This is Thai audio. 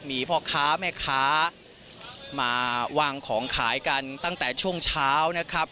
มีพ่อค้าแม่ค้ามาวางของขายกันตั้งแต่ช่วงเช้านะครับ